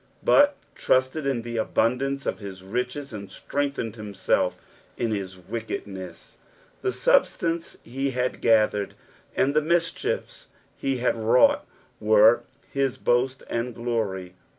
" But trutted in th« aiuiidanee of kit riehet, and ttrangtheiud kinu^ in Ati teieiedneu." The substance he liad Ksthered, and tbe mischiefa he had wrought, were his boast and glory.